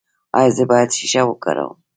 ایا زه باید شیشه وکاروم؟